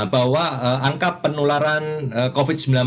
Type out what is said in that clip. bahwa angka penularan covid sembilan belas